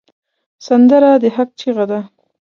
سندره د حق چیغه ده